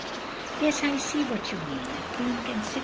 " "Yes, I see what you mean — a, queen can sit a.